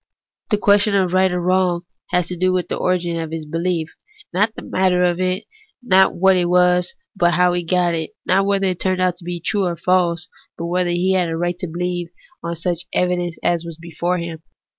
The question of right or wrong has to do with the origin of his behef, not the matter of it ; not what it was, but how he got it ; not whether it turned out to be true or false, but whether he had a right to believe on such evidence as was before him.